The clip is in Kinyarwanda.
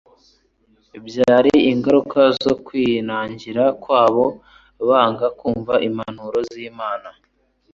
byari ingaruka zo kwinangira kwabo banga kumva impanuro z’Imana